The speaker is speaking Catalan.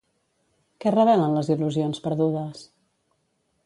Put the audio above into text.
Què revelen les il·lusions perdudes?